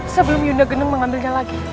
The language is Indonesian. sebelum yunda genem mengambilnya lagi